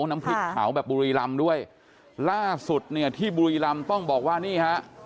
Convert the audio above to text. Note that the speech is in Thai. น้ำพริกเผาแบบบุรีรำด้วยล่าสุดเนี่ยที่บุรีรำต้องบอกว่านี่ฮะ